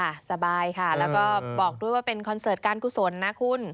ค่ะสบายค่ะแล้วก็บอกด้วยว่าเป็นนะคุณครับ